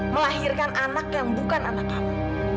melahirkan anak yang bukan anak kami